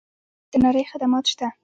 د وترنرۍ خدمات شته؟